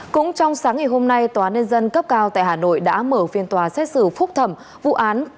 cũng trong sáng ngày hôm nay tòa nhân dân cấp cao tại hà nội đã mở phiên tòa xét xử phúc thẩm vụ án